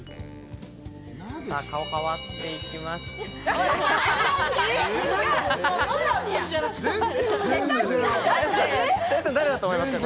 顔、変わっていきました。